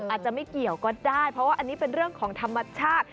อาจจะไม่เกี่ยวก็ได้เพราะว่าอันนี้เป็นเรื่องของธรรมชาติ